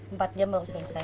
empat jam baru selesai